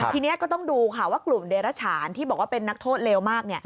ทีนี้ก็ต้องดูค่ะว่ากลุ่มเดรฉานที่บอกว่าเป็นนักโทษเร็วมาก